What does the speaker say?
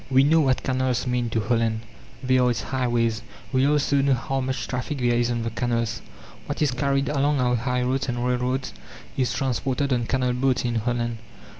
We know what canals mean to Holland. They are its highways. We also know how much traffic there is on the canals. What is carried along our highroads and railroads is transported on canal boats in Holland.